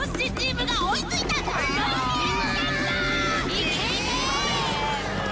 いけいけ！